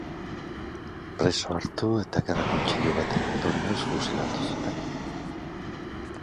Preso hartu eta gerra-kontseilu baten ondorioz fusilatu zuten.